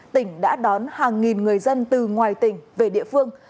tỉnh đã đón hàng nghìn người dân từ ngoài tỉnh về địa phương